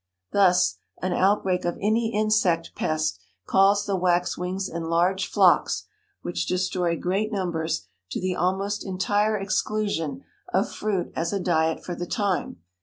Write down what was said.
Thus, an outbreak of any insect pest calls the waxwings in large flocks which destroy great numbers to the almost entire exclusion of fruit as a diet for the time.